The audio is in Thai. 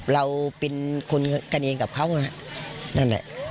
เราปินคุณกะเนียงกับเขานะนั่นแหละ